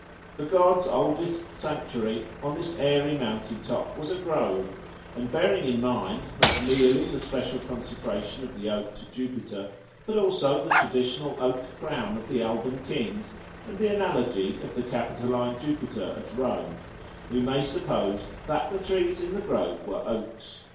The god's oldest sanctuary on this airy mountain top was a grove; and bearing in mind not merely the special consecration of the oak to Jupiter, but also the traditional oak crown of the Alban kings and the analogy of the Capitoline Jupiter at Rome, we may suppose that the trees in the grove were oaks.